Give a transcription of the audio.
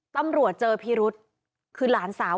ตำรวจเจอพิรุษคือหลานสาว